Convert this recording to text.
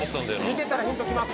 見てたらヒントきます。